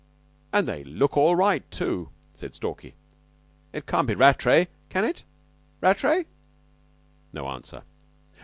"And they look all right, too," said Stalky. "It can't be Rattray, can it? Rattray?" No answer.